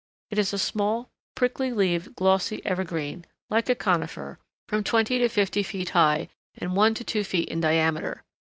It is a small, prickly leaved, glossy evergreen, like a conifer, from twenty to fifty feet high, and one to two feet in diameter.